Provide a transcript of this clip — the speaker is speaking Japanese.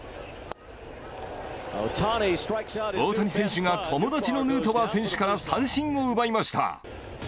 大谷選手が友達のヌートバー選手から三振を奪いました。